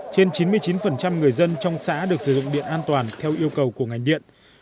trên chín mươi chín người dân trong xã được sử dụng điện an toàn theo yêu cầu của ngành điện